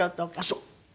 そう。